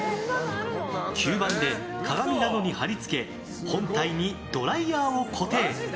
吸盤で鏡などに貼り付け本体にドライヤーを固定。